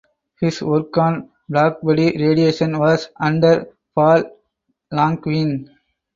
His work on blackbody radiation was under Paul Langevin.